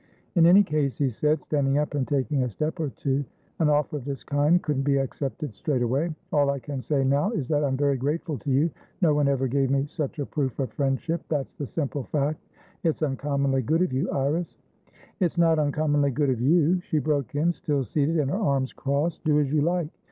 "In any case," he said, standing up and taking a step or two, "an offer of this kind couldn't be accepted straightaway. All I can say now is that I'm very grateful to you. No one ever gave me such a proof of friendship, that's the simple fact. It's uncommonly good of you, Iris" "It's not uncommonly good of you," she broke in, still seated, and her arms crossed. "Do as you like.